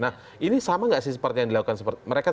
nah ini sama tidak sih seperti yang dilakukan para pemanggilan